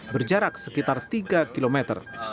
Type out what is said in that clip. berjarak sekitar tiga kilometer